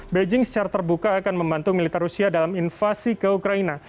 beijing secara terbuka akan membantu militer rusia dalam invasi ke ukraina